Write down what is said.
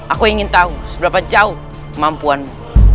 aku ingin tahu seberapa jauh kemampuanmu